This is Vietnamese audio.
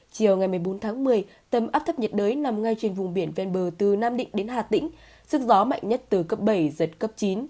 chiều ngày một mươi bốn tháng một mươi tâm áp thấp nhiệt đới nằm ngay trên vùng biển ven bờ từ nam định đến hà tĩnh sức gió mạnh nhất từ cấp bảy giật cấp chín